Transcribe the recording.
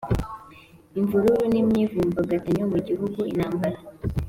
Imvururu n imyivumbagatanyo mu gihugu intambara